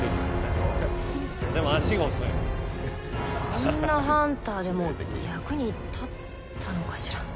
あんなハンターでも役に立ったのかしら。